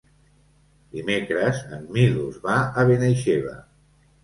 Dimecres en Milos va a Benaixeve.